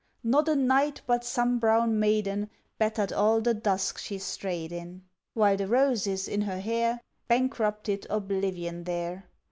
Not a night but some brown maiden Bettered all the dusk she strayed in, While the roses in her hair Bankrupted oblivion there.